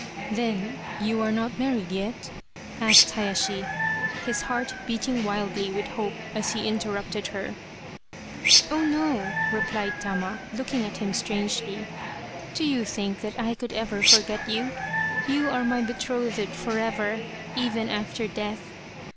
" Then you are not married yet ?" asked Hayashi, his heart beating wildly with hope as he interrupted her. " Oh, no," replied Tama, looking at him strangely, " do you think that I could ever forget you ? You are my betrothed forever, even after death.